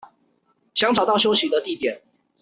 想找到休息的地點